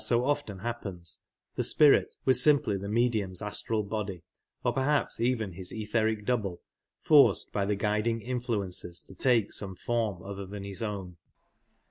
$o often happens, the ''spirit" W93 siqaply tl>p medium's astral bojdy or perhaps even his etl>eric doublp, ijorce^ by the guiding in^uence? t,o take some form other than his own.